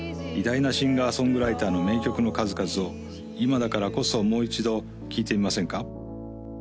偉大なシンガー・ソングライターの名曲の数々を今だからこそもう一度聴いてみませんか？